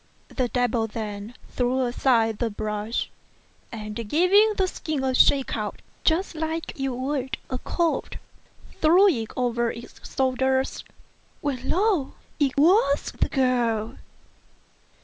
The devil then threw aside the brush, and giving the skin a shake out, just as you would a coat, threw it over its shoulders, when, lo! it was the girl.